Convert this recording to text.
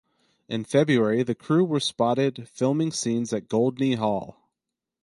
In February the crew were spotted filming scenes at Goldney Hall.